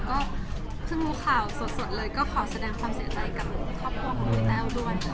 ก็เพิ่งรู้ข่าวสดเลยก็ขอแสดงความเสียใจกับครอบครัวของคุณแต้วด้วยค่ะ